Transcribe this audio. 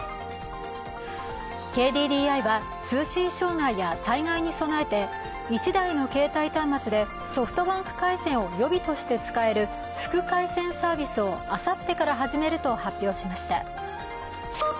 ＫＤＤＩは通信障害や災害に備えて１台の携帯端末でソフトバンク回線を予備として使える副回線サービスをあさってから始めると発表しました。